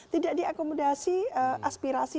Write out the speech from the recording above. tidak diakomodasi aspirasi